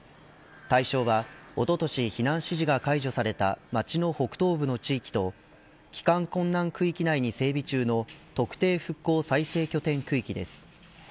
対象は、おととし避難指示が解除された町の北東部の地域と帰還困難区域内に整備中の特定復興再生拠点区域です。